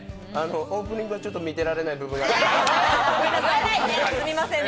オープニングはちょっと見てられない部分がありましたけど。